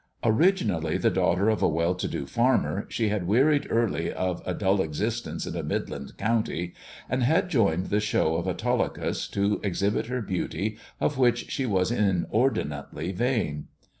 " Originally the daughter of a well to do farmer, she had wearied early of a dull existence in a Midland county, and had joined the show of Autolycus to exhibit her beauty, of which she was inordinately vain.